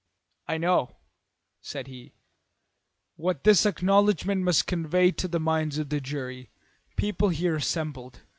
"I know," said he, "what this acknowledgment must convey to the minds of the jury and people here assembled.